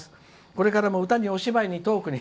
「これからも歌にお芝居にトークに」。